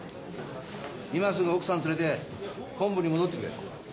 今すぐ奥さん連れて本部に戻ってくれ。